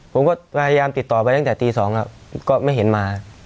ผมก็พยายามติดต่อไปตั้งแต่ตี๒ครับก็ไม่เห็นมา